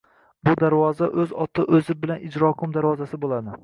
Bu darvoza o‘z oti o‘zi bilan ijroqo‘m darvozasi bo‘ladi.